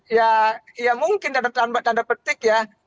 ya mungkin tanda petik ya